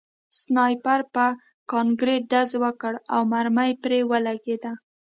سنایپر په کانکریټ ډز وکړ او مرمۍ پرې ولګېده